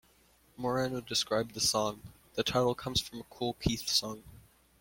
Moreno described the song: The title comes from a Kool Keith song.